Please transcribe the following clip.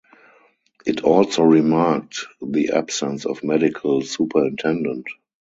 It also remarked the absence of medical superintendent.